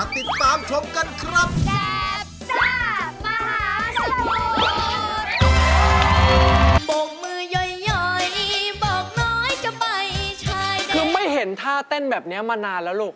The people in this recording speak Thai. คือไม่เห็นท่าเต้นแบบนี้มานานแล้วลูก